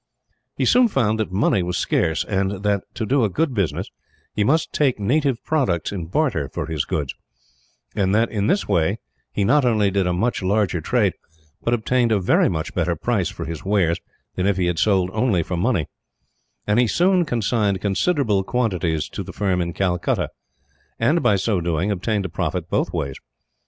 He soon found that money was scarce; and that, to do a good business, he must take native products in barter for his goods; and that in this way he not only did a much larger trade, but obtained a very much better price for his wares than if he had sold only for money; and he soon consigned considerable quantities to the firm in Calcutta and, by so doing, obtained a profit both ways.